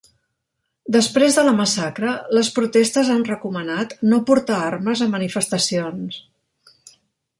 Després de la massacre, les protestes han recomanat no portar armes a manifestacions.